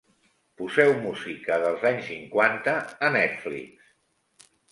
Poseu música dels anys cinquanta a Netflix